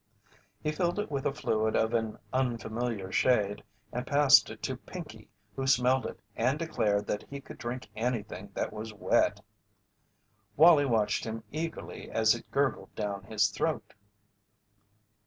He filled it with a fluid of an unfamiliar shade and passed it to Pinkey, who smelled it and declared that he could drink anything that was wet. Wallie watched him eagerly as it gurgled down his throat.